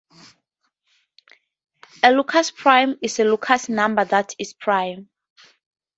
A Lucas prime is a Lucas number that is prime.